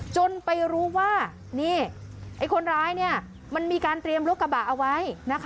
จนไปรู้ว่านี่ไอ้คนร้ายมันมีการเตรียมรถกระบะเอาไว้